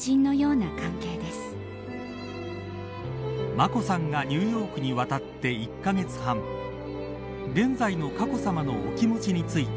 眞子さんがニューヨークに渡って１カ月半現在の佳子さまのお気持ちについて